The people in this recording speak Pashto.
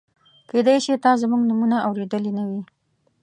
کېدای شي تا زموږ نومونه اورېدلي نه وي.